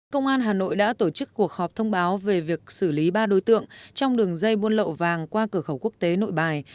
công an hà nội đã tổ chức cuộc họp thông báo về việc xử lý ba đối tượng trong đường dây buôn lậu vàng qua cửa khẩu quốc tế nội bài